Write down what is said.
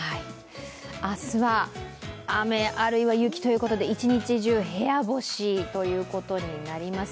明日は雨、あるいは雪ということで一日中、部屋干しということになります。